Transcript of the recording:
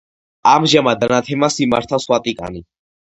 ამჟამად ანათემას მიმართავს ვატიკანი.